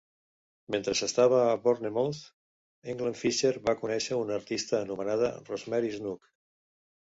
Mentre s'estava a Bournemouth, England Fisher va conèixer una artista anomenada Rosemary Snook.